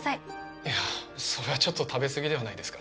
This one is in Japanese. いやそれはちょっと食べ過ぎではないですか？